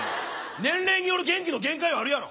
年齢による元気の限界はあるやろ。